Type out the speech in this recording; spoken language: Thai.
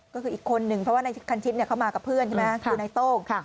ก็คืออีกคนนึงเพราะว่าในคันชิดเข้ามากับเพื่อนใช่ไหมคือนายโต้ง